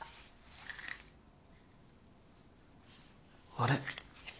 あれ？